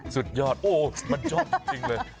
สุดยอดโอ้มันชอบจริงเลย